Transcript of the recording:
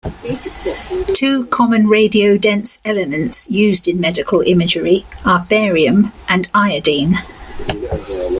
Two common radiodense elements used in medical imagery are barium and iodine.